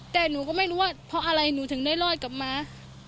แต่หนูก็ไม่รู้ว่าเพราะอะไรหนูถึงได้รอดกลับมา